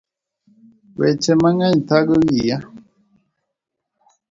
Weche mang'eny thago wiya